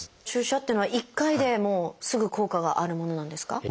注射っていうのは１回でもうすぐ効果があるものなんですか？